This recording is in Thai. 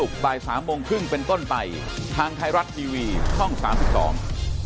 กลับขับไม่เป็นมันไม่รู้จะไปยังไงไม่รู้มอเซจ